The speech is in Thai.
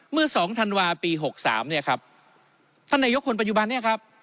เมื่อสองธันวาปีหกสามเนี่ยครับท่านนายกคนปัจจุบันนี้ครับ